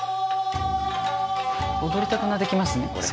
踊りたくなってきますねこれ。